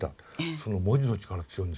その文字の力強いんですよ。